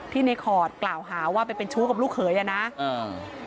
ในคอร์ดกล่าวหาว่าไปเป็นชู้กับลูกเขยอ่ะนะอ่า